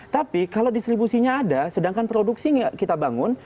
tapi kalau distribusinya ada sedangkan produksi kita bangun